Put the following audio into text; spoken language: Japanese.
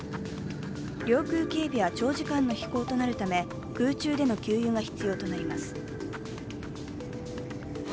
領空警備は長時間の飛行となるため、空中での給油が必要となります。